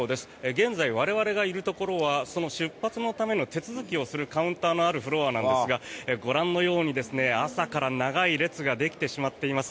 現在我々がいるところは出発の手続きをするカウンターのあるフロアなんですがご覧のように朝から長い列ができてしまっています。